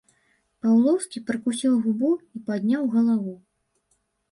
Паўлоўскі прыкусіў губу і падняў галаву.